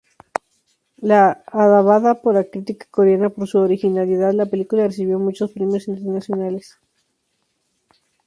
Alabada por la crítica coreana por su originalidad, la película recibió muchos premios internacionales.